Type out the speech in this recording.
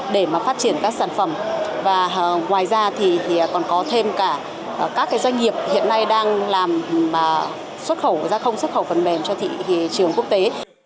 để mà phát triển các sản phẩm và ngoài ra thì còn có thêm cả các doanh nghiệp hiện nay đang làm xuất khẩu ra không xuất khẩu phần mềm cho thị trường quốc tế